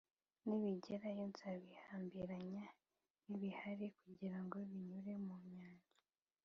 nibigerayo nzabihambiranya nk’ibihare kugira ngo binyure mu Nyanja